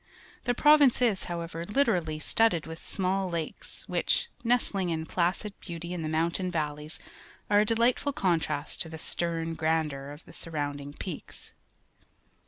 The province is, however, hterally studded with small lakes, which, nestling in placid beauty in the mountain valleys, are a deUghtful contrast to the stern grandem* of the surrounding peaks.